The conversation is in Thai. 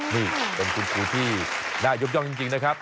นี่เป็นคุณครูที่น่ายกย่องจริงนะครับ